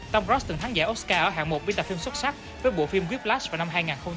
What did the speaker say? tom cross từng thắng giải oscar ở hạng một biên tập phim xuất sắc với bộ phim whiplash vào năm hai nghìn một mươi năm